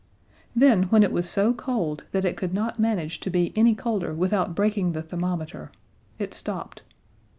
Then, when it was so cold that it could not manage to be any colder without breaking the thermometer, it stopped.